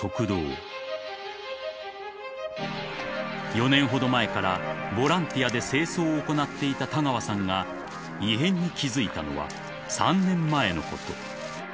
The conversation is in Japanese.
［４年ほど前からボランティアで清掃を行っていた田川さんが異変に気付いたのは３年前のこと］